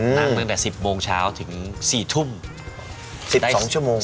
ตั้งแต่๑๐โมงเช้าถึง๔ทุ่ม๑๒ชั่วโมง